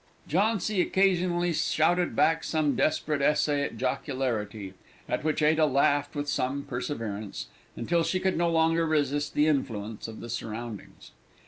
Jauncy occasionally shouted back some desperate essay at jocularity, at which Ada laughed with some perseverance, until even she could no longer resist the influence of the surroundings.